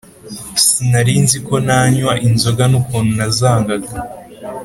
Sinarinziko nanywa inzoga nukuntu nazangaga